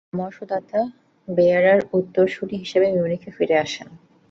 তিনি তার পরামর্শদাতা বেয়ারের উত্তরসূরি হিসেবে মিউনিখে ফিরে আসেন।